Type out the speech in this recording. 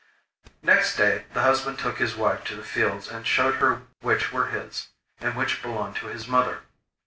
Next day the husband took his wife to the fields and showed her which were his, and which belonged to his mother.